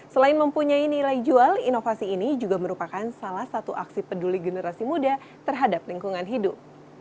selain mempunyai nilai jual inovasi ini juga merupakan salah satu aksi peduli generasi muda terhadap lingkungan hidup